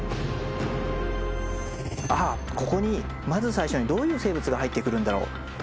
ああここにまず最初にどういう生物が入ってくるんだろう。